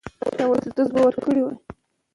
روايت ذکر کړی چې د مديني په انصارو باندي